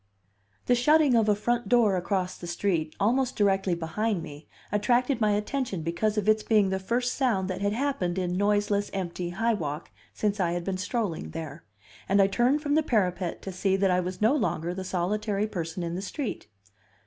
The shutting of a front door across the street almost directly behind me attracted my attention because of its being the first sound that had happened in noiseless, empty High Walk since I had been strolling there; and I turned from the parapet to see that I was no longer the solitary person in the street.